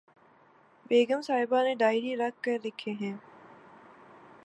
بیگم صاحبہ نے ڈائری رکھ کر لکھے ہیں